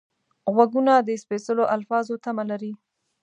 غوږونه د سپېڅلو الفاظو تمه لري